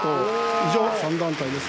以上、３団体です。